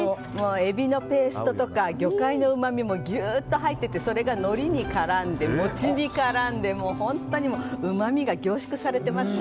エビのペースととか魚介のうまみもギュッと入っててそれが、のりに絡んで餅に絡んでもう本当にうまみが凝縮されてますね。